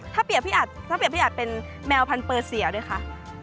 ถ้าเปรียบพี่อัดถ้าเปลี่ยนพี่อัดเป็นแมวพันเปอร์เสียด้วยคะ